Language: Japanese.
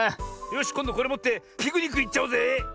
よしこんどこれもってピクニックいっちゃおうぜ！